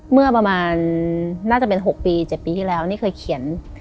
เมื่อประมาณน่าจะเป็น๖ปี๗ปีที่แล้วนี่เคยเขียน